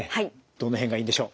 どの辺がいいんでしょう？